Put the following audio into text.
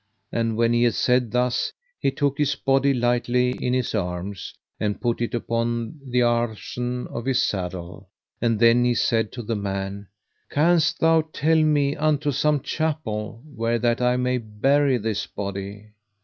And when he had said thus he took his body lightly in his arms, and put it upon the arson of his saddle. And then he said to the man: Canst thou tell me unto some chapel where that I may bury this body?